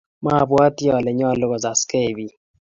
Mabwoti ale nyalu kosaskeiy bik.